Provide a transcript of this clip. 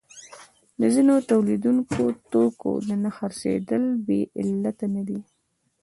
د ځینو تولیدونکو د توکو نه خرڅېدل بې علته نه دي